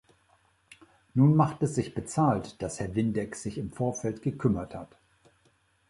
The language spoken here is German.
Nun macht es sich bezahlt, dass Herr Windeck sich im Vorfeld gekümmert hat.